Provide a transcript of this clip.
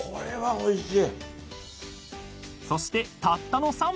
おいしい。